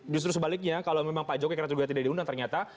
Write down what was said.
justru sebaliknya kalau memang pak jokowi karena juga tidak diundang ternyata